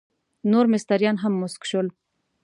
نور مستریان هم مسک شول.